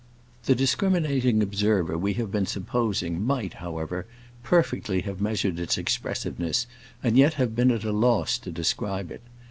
The discriminating observer we have been supposing might, however, perfectly have measured its expressiveness, and yet have been at a loss to describe it.